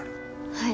はい。